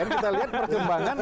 kita lihat perkembangan